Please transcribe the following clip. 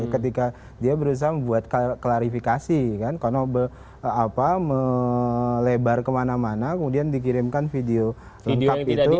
ketika dia berusaha membuat klarifikasi kan kono melebar kemana mana kemudian dikirimkan video lengkap itu